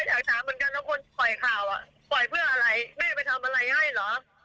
แม่ก็จะถามเหมือนกันทุกคนปล่อยข่าวปล่อยเพื่ออะไรแม่ก็ไปทำอะไรให้เหรอ